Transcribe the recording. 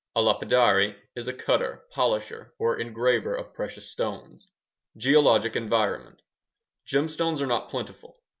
A lapidary is a cutter, polisher, or engraver of precious stones. Geologic environment Gemstones are not plentiful.